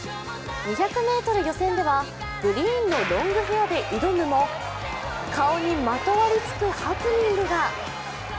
２００ｍ予選ではグリーンのロングヘアで挑むも顔にまとわりつくハプニングが。